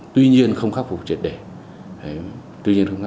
tuy nhiên không khắc phục triệt để